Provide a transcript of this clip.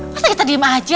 masa kita diem aja